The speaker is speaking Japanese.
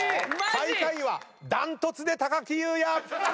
最下位は断トツで木雄也！